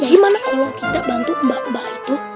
gimana kalau kita bantu mbak mbak itu